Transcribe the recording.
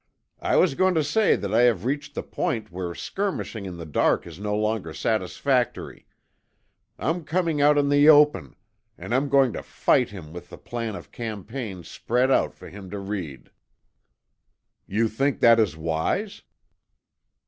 "I was going to say that I have reached the point where skirmishing in the dark is no longer satisfactory. I'm coming out in the open and I'm going to fight him with the plan of campaign spread out for him to read." "You think that is wise?"